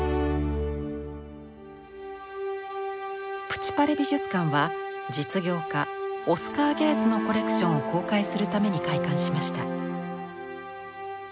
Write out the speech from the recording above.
プチ・パレ美術館は実業家オスカー・ゲーズのコレクションを公開するために開館しました。